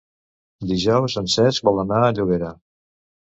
Dijous en Cesc vol anar a Llobera.